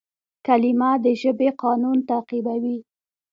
کلیمه د ژبي قانون تعقیبوي.